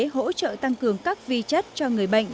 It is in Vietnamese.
hỗ trợ tăng cường các vi chất cho người bệnh